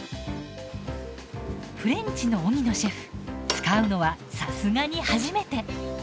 フレンチの荻野シェフ使うのはさすがに初めて。